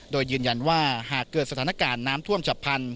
โดยยืนยันว่าหากเกิดสถานการณ์น้ำท่วมฉับพันธ